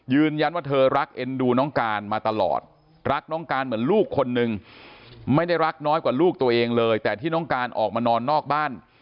ยืนยันว่าเธอรักเอ็นดูน้องการมาตลอดรักน้องการเหมือนลูกคนนึงไม่ได้รักน้อยกว่าลูกตัวเองเลยแต่ที่น้องการออกมานอนนอกบ้าน